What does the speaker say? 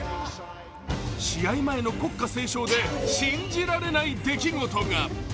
試合前の国歌斉唱で信じられない出来事が。